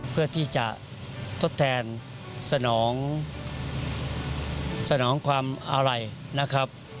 เพื่อที่จะทดแทนสนองสนองความอาลัยนะครับ